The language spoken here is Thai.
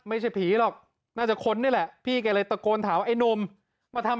ไม่ใช่ผีหรอกน่าจะค้นนี่แหละพี่แกเลยตะโกนถามไอ้หนุ่มมาทำ